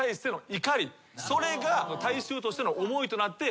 それが大衆としての思いとなって。